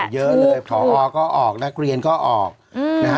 ต้องแสดงความรับผิดชอบเยอะเลยภอก็ออกนักเรียนก็ออกนะฮะ